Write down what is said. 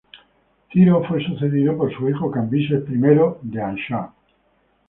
Ciro fue sucedido por su hijo Cambises I de Anshan.